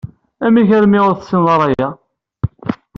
Amek armi ur tessineḍ ara aya?